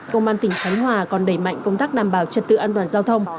công an tỉnh khánh hòa còn đẩy mạnh công tác đảm bảo trật tự an toàn giao thông